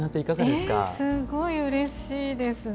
すごいうれしいですね。